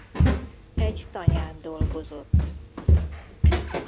Egy tanyán dolgozott.